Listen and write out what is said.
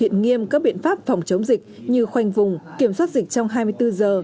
thực hiện nghiêm các biện pháp phòng chống dịch như khoanh vùng kiểm soát dịch trong hai mươi bốn giờ